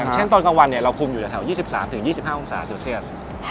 อย่างเช่นตอนกลางวันเนี่ยเราคุมอยู่ในแถว๒๓๒๕องศาเซลเซียส